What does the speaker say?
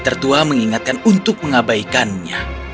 pertua mengingatkan untuk mengabaikannya